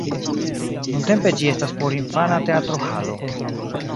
Nuntempe ĝi estas porinfana teatro-halo.